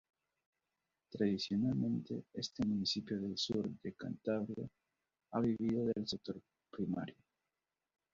Tradicionalmente, este municipio del sur de Cantabria ha vivido del sector primario.